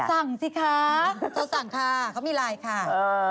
สั่งสิคะเธอสั่งค่ะเขามีไลน์ค่ะ